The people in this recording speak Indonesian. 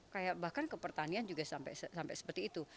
kayak bahkan kepertanian juga sampai seperti itu